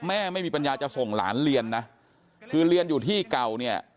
ไม่มีปัญญาจะส่งหลานเรียนนะคือเรียนอยู่ที่เก่าเนี่ย